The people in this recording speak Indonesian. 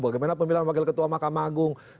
bagaimana pemilihan wakil ketua mahkamah agung